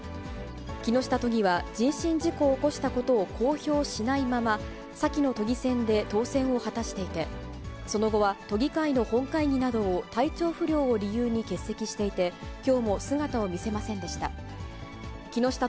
木下都議は人身事故を起こしたことを公表しないまま、先の都議選で当選を果たしていて、その後は都議会の本会議などを、体調不良を理由に欠席していて、きょうも姿を見せませんでした。